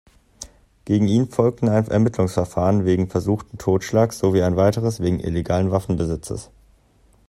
Gegen ihn folgten ein Ermittlungsverfahren wegen versuchten Totschlags sowie ein weiteres wegen illegalen Waffenbesitzes.